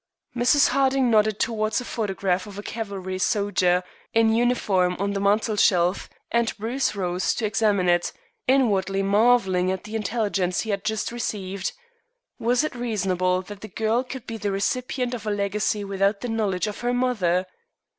Mrs. Harding nodded towards a photograph of a cavalry soldier in uniform on the mantelshelf, and Bruce rose to examine it, inwardly marvelling at the intelligence he had just received. Was it reasonable that the girl could be the recipient of a legacy without the knowledge of her mother?